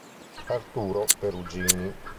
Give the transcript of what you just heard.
Arturo Perugini.